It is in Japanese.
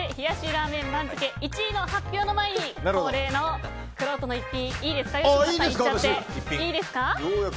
ラーメン番付１位の発表の前に恒例のくろうとの逸品いっちゃっていいですか。